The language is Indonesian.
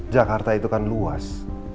jakarta itu kan luas